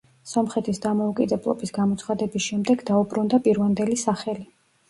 სომხეთის დამოუკიდებლობის გამოცხადების შემდეგ დაუბრუნდა პირვანდელი სახელი.